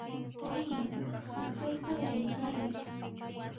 Wayna unqusqa wañunayan.